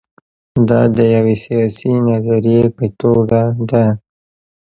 دا د یوې سیاسي نظریې په توګه ده.